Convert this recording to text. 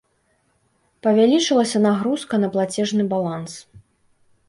Павялічылася нагрузка на плацежны баланс.